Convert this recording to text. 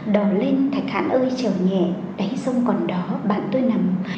đỏ lên thạch hãn ơi trèo nhẹ đáy sông còn đỏ bạn tôi nằm